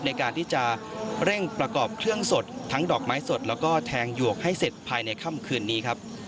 ในการที่จะเร่งประกอบเครื่องสดทั้งดอกไม้สดแล้วก็แทงหยวกให้เสร็จภายในค่ำคืนนี้ครับ